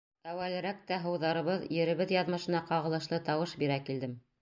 Әүәлерәк тә һыуҙарыбыҙ, еребеҙ яҙмышына ҡағылышлы тауыш бирә килдем.